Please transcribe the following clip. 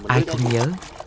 ai cũng nhớ